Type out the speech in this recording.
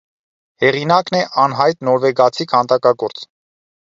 Հեղինակն է անհայտ նորվեգացի քանդակագործ։